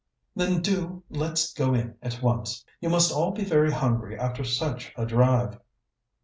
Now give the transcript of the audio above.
"Then, do let's go in at once. You must all be very hungry after such a drive."